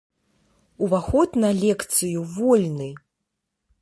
Уваход на лекцыю вольны!